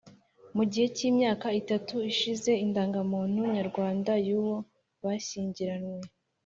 mu gihe cy’imyaka itatu ishize indangamuntu nyarwanda y’uwo bashyingiranywe ;